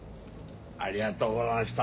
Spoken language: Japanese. ありがとうござんした。